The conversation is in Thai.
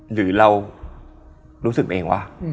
หรือเรารู้สึกเองวะ